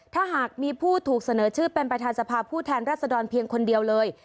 ถ้าหากมีผู้ถูกเสนอชื่อเป็นประธานสภาพผู้แทนรัศดรเพียงคนเดียวเลย